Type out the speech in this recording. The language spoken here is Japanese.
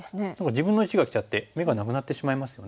自分の石がきちゃって眼がなくなってしまいますよね。